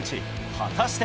果たして。